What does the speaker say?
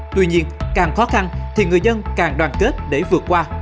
tuy nhiên càng khó khăn thì người dân càng đoàn kết để vượt qua